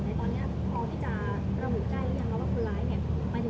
หมอบรรยาหมอบรรยา